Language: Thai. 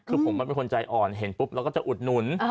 คือผมมันเป็นคนใจอ่อนเห็นปุ๊บเราก็จะอุดหนุน